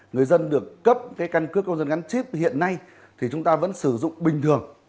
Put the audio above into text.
người dân được cấp cái căn cước công dân gắn chip hiện nay thì chúng ta vẫn sử dụng bình thường